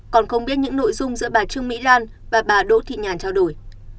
còn không biết những nội dung giữa bà trương mỹ lan và bà đỗ thị nhàn trao đổi